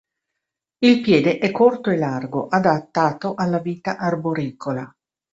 Il piede è corto e largo, adattato alla vita arboricola.